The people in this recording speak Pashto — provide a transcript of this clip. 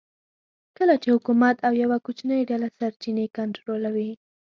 کله چې حکومت او یوه کوچنۍ ډله سرچینې کنټرولوي